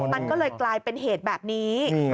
มันก็เลยกลายเป็นเหตุแบบนี้